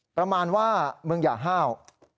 ประมาณว่ามึงอย่าห้าว